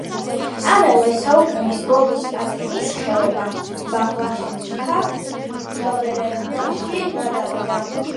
ამავე საუკუნის ბოლოს ატენის ხეობა ბაღვაშთა მფლობელობაში გადავიდა.